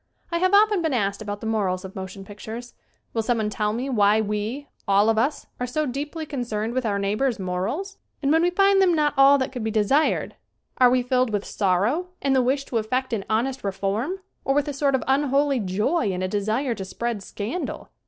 I have often been asked about the morals of motion pictures. Will someone tell me why we, all of us, are so deeply concerned with our neighbor's morals? And when we find them not all that could be desired are we filled with 128 SCREEN ACTING sorrow and the wish to effect an honest reform, or with a sort of unholy joy and a desire to spread scandal?